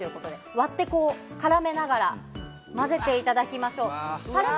割って、からめながら混ぜていただきましょう。